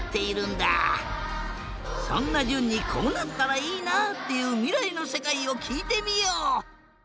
そんなじゅんにこうなったらいいなっていうみらいのせかいをきいてみよう。